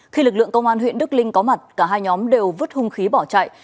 khi lực lượng công an huyện đức linh có mặt cả hai nhóm đều vứt hung khí bỏ chạy